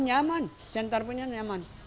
oh nyaman siantar punya nyaman